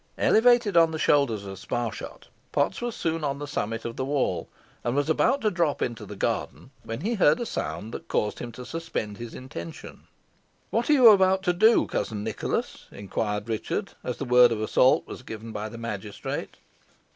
Elevated on the shoulders of Sparshot, Potts was soon on the summit of the wall, and was about to drop into the garden, when he heard a sound that caused him to suspend his intention. "What are you about to do, cousin Nicholas?" inquired Richard, as the word of assault was given by the magistrate.